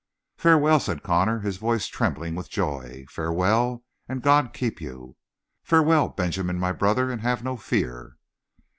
"Farewell," said Connor, his voice trembling with joy. "Farewell, and God keep you!" "Farewell, Benjamin, my brother, and have no fear."